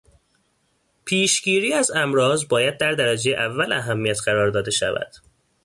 پیشگیری از امراض باید در درجهٔ اول اهمیت قرار داده شود.